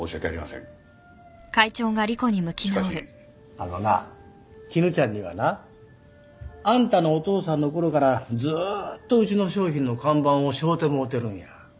あのな絹ちゃんにはなあんたのお父さんのころからずっとうちの商品の看板をしょうてもうてるんや。